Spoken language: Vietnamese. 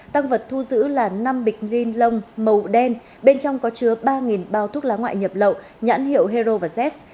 tăng vật thu giữ là năm bịch ni lông màu đen bên trong có chứa ba bao thuốc lá ngoại nhập lậu nhãn hiệu hero và z